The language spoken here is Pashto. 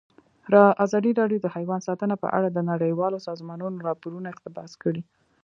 ازادي راډیو د حیوان ساتنه په اړه د نړیوالو سازمانونو راپورونه اقتباس کړي.